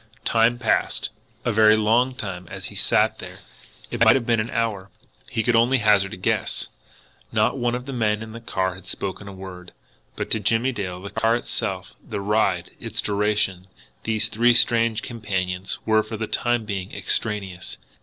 Time passed, a very long time, as he sat there. It might have been an hour he could only hazard a guess. Not one of the men in the car had spoken a word. But to Jimmie Dale, the car itself, the ride, its duration, these three strange companions, were for the time being extraneous.